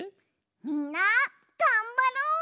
みんながんばろう！